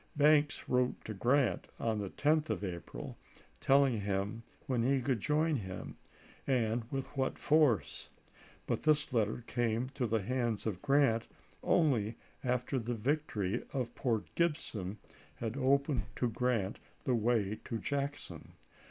Banks wrote to Grant on the 10th of April, telling him when he could join him, and with what force ; but this letter came to the hands of Grant only after the victory of Port Gibson had opened to Grant the way to Jackson.